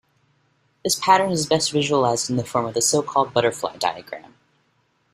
This pattern is best visualized in the form of the so-called butterfly diagram.